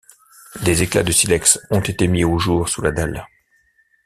Des éclats de silex ont été mis au jour sous la dalle.